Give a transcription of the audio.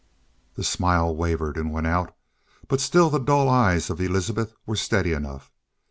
The smile wavered and went out, but still the dull eyes of Elizabeth were steady enough.